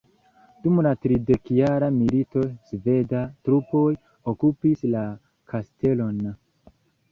Dum la tridekjara milito sveda trupoj okupis la kastelon.